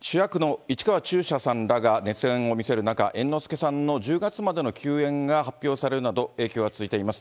主役の市川中車さんらが熱演を見せる中、猿之助さんの１０月までの休演が発表されるなど、影響が続いています。